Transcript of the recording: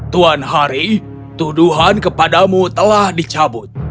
tuan hari tuduhan kepadamu telah dicabut